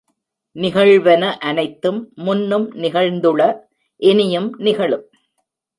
நிகழ்வன அனைத்தும் முன்னும் நிகழ்ந்துள, இனியும் நிகழும்.